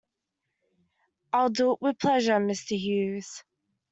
I'll do it with pleasure, Mr. Hughes.